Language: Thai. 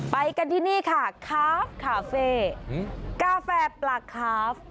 ไปกันที่นี่ค่ะคาฟคาเฟ่กาแฟปลาคาฟ